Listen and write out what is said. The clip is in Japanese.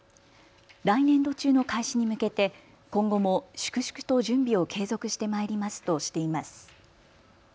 来年度中の開始に向けて今後も粛々と準備を継続してまいりますとしています。